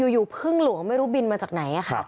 อยู่พึ่งหลวงไม่รู้บินมาจากไหน